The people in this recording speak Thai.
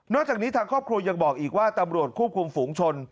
จากนี้ทางครอบครัวยังบอกอีกว่าตำรวจควบคุมฝูงชน